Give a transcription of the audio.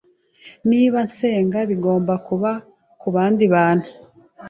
Niba nsenga bigomba kuba kubandi bantu